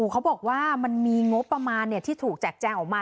เขาบอกว่ามันมีงบประมาณที่ถูกแจกแจงออกมา